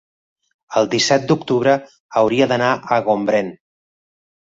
el disset d'octubre hauria d'anar a Gombrèn.